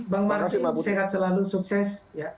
bang marhumabu sehat selalu sukses